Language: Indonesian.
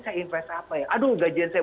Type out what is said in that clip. saya investasi apa ya aduh gajian saya